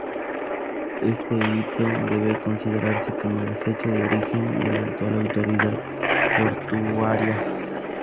Este hito debe considerarse como la fecha de origen de la actual Autoridad Portuaria.